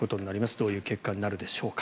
どういう結果になるでしょうか。